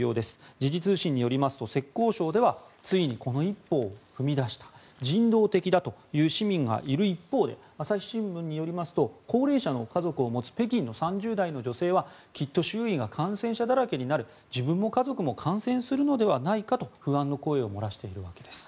時事通信によりますと浙江省ではついにこの一歩を踏み出した人道的だという市民がいる一方で朝日新聞によりますと高齢者の家族を持つ北京の３０代の女性はきっと周囲が感染者だらけになる自分も家族も感染するのではないかと不安の声を漏らしているわけです。